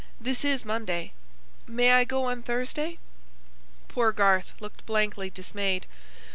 This is Monday. May I go on Thursday?" Poor Garth looked blankly dismayed.